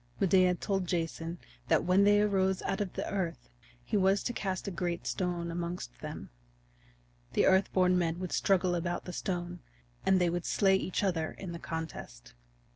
Medea told Jason that when they arose out of the earth he was to cast a great stone amongst them. The Earth born Men would struggle about the stone, and they would slay each other in the contest.